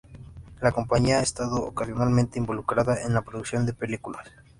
La compañía ha estado ocasionalmente involucrada en la producción de películas.